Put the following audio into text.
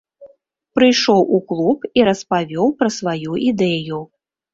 Прыйшоў у клуб і распавёў пра сваю ідэю.